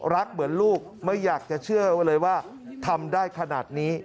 รักเหมือนลูกไม่อยากจะเชื่อเลยว่าทำได้ขนาดนี้